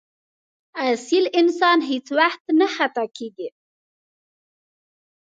اصیل انسان هېڅ وخت نه خطا کېږي.